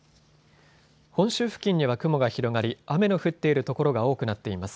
本州付近には雲が広がり雨の降っている所が多くなっています。